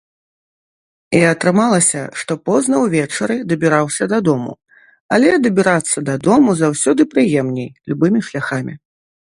І атрымалася, што позна ўвечары дабіраўся дадому, але дабірацца дадому заўсёды прыемней, любымі шляхамі.